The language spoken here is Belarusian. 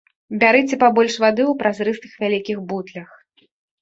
Бярыце пабольш вады ў празрыстых вялікіх бутлях.